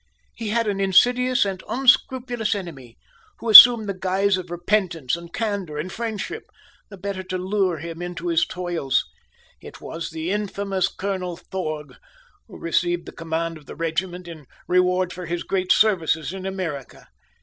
He had an insidious and unscrupulous enemy, who assumed the guise of repentance, and candor, and friendship, the better to lure him into his toils it was the infamous Colonel Thorg, who received the command of the regiment, in reward for his great services in America.